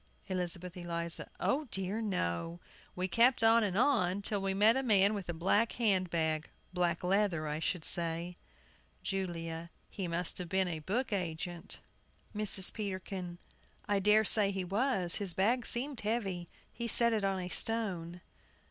ELIZABETH ELIZA. O dear, no! We kept on and on, till we met a man with a black hand bag black leather I should say. JULIA. He must have been a book agent. MRS. PETERKIN. I dare say he was; his bag seemed heavy. He set it on a stone.